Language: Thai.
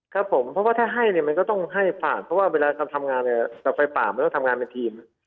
ครับผมเพราะว่าถ้าให้เนี่ยมันก็ต้องให้ผ่านเพราะว่าเวลาทำงานเนี่ยกับไฟป่ามันต้องทำงานเป็นทีม